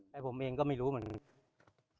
แต่ผมเองก็ไม่รู้เหมือนกัน